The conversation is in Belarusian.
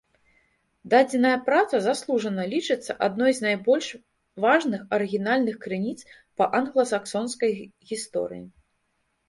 Дадзеная праца заслужана лічыцца адной з найбольш важных арыгінальных крыніц па англасаксонскай гісторыі.